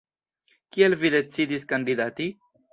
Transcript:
Kial vi decidis kandidati?